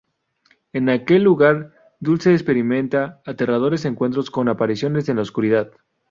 En aquel lugar Dulce experimenta aterradores encuentros con apariciones en la oscuridad.